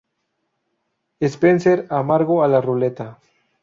Spencer amargo en la ruleta.